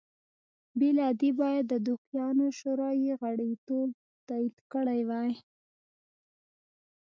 بې له دې باید د دوکیانو شورا یې غړیتوب تایید کړی وای